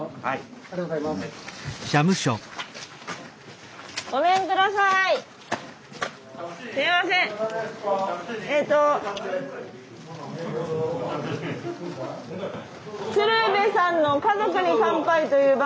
はい。